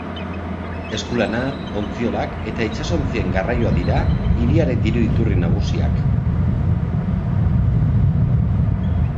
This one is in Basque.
Eskulana, ontziolak eta itsasontzien garraioa dira hiriaren diru-iturri nagusiak.